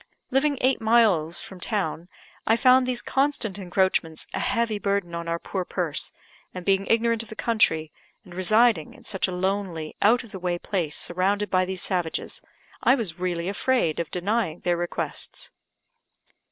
Living eight miles from , I found these constant encroachments a heavy burden on our poor purse; and being ignorant of the country, and residing in such a lonely, out of the way place, surrounded by these savages, I was really afraid of denying their requests.